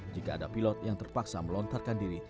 jika ada pilot yang terpaksa melontarkan diri